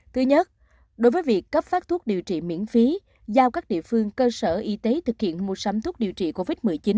thứ nhất đối với việc cấp phát thuốc điều trị miễn phí giao các địa phương cơ sở y tế thực hiện mua sắm thuốc điều trị covid một mươi chín